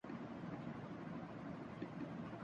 تیز بارش ہو گھنا پیڑ ہو اِک لڑکی ہوایسے منظر کبھی شہروں